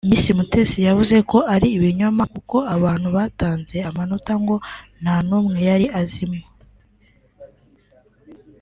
Miss Umutesi yavuze ko ari ibinyoma kuko abantu batanze amanota ngo nta numwe yari azimo